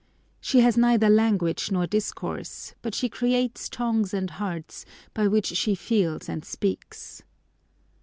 She has neither language nor discourse; but she creates tongues and hearts, by which she feels and speaks.